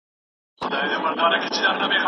د هغې سیمین بدن په مشکو مینځي